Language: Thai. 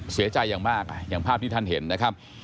เสียใจอย่างมากอย่างภาพที่ท่านเห็นนะครับ